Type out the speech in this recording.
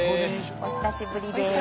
お久しぶりです。